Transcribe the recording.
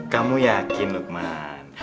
kamu yakin lukman